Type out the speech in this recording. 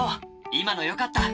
今のよかった」。